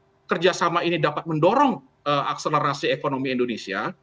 jadi kenapa kerjasama ini dapat mendorong akselerasi ekonomi indonesia